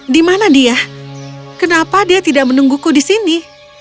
di mana dia kenapa dia tidak menungguku di sini